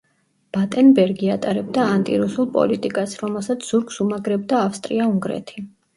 ბატენბერგი ატარებდა ანტირუსულ პოლიტიკას, რომელსაც ზურგს უმაგრებდა ავსტრია-უნგრეთი.